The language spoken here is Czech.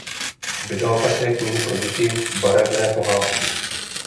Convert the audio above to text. Vydal také knihu pro děti "Barevné pohádky".